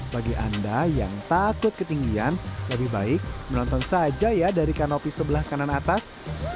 bagi anda yang takut ketinggian lebih baik menonton saja ya dari kanopi sebelah kanan atas